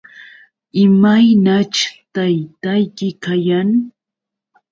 ¿Imaynaćh taytayki kayan?